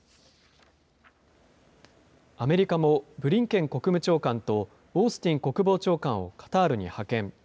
アメリカもブリンケン国務長官とオースティン国防長官をカタールに派遣。